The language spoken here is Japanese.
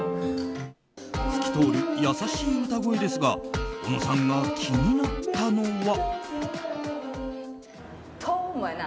透き通る優しい歌声ですがおのさんが気になったのは。